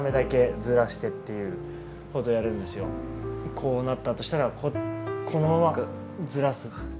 こうなったとしたらこのままずらす。